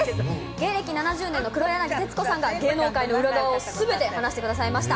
芸歴７０年の黒柳徹子さんが芸能界の裏話を全て話してくださいました。